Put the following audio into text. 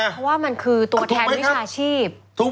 เพราะว่ามันคือตัวแทนวิชาชีพ